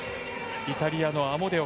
イタリアのアモデオ